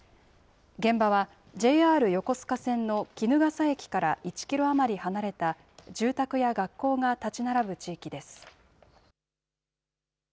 現場はＪＲ横須賀線の衣笠駅から１キロ余り離れた、住宅や学校が建ち並ぶ地域です。